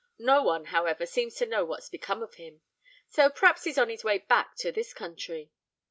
No one, however, seems to know what's become of him;—so p'r'aps he's on his way back to this country."